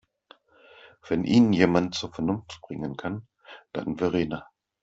Wenn ihn jemand zur Vernunft bringen kann, dann Verena.